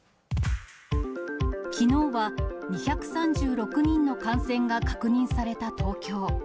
きのうは２３６人の感染が確認された東京。